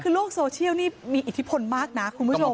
คือโลกโซเชียลนี่มีอิทธิพลมากนะคุณผู้ชม